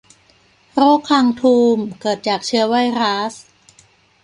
โรคคางทูม เกิดจากเชื้อไวรัส